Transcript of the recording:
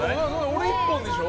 俺、１本でしょ。